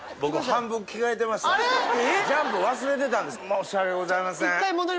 申し訳ございません。